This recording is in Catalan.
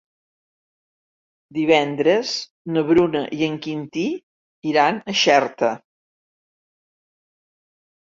Divendres na Bruna i en Quintí iran a Xerta.